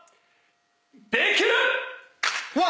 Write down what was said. できる！